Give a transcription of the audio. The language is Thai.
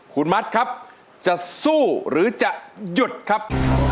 คุณมัดครับจะสู้หรือจะหยุดครับ